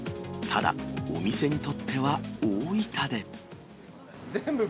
ただ、お店にとっては大痛手。